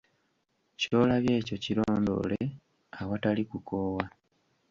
Ky’olabye ekyo kirondoole awatali kukoowa.